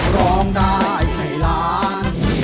ร้องได้ให้ล้าน